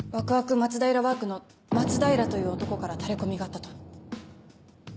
松平ワークの松平という男からタレコミがあったと。